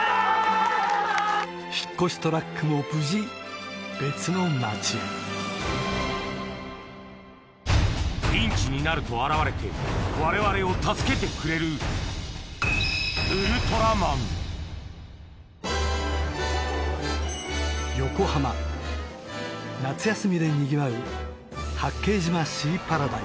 引っ越しトラックも無事別の町へピンチになると現れてわれわれを助けてくれるウルトラマン夏休みでにぎわう